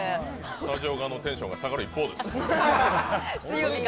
スタジオ側のテンションが下がる一方です。